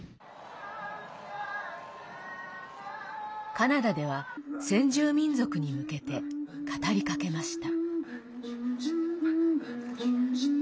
カナダでは、先住民族に向けて語りかけました。